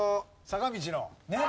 坂道のね？